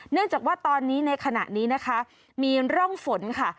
เนื่องจากว่าตอนนี้ในขณะนี้นะคะมีร่องฝนค่ะ